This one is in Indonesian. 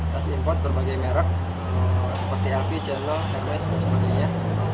tas impor berbagai merek seperti lp jernel hermes dan sebagainya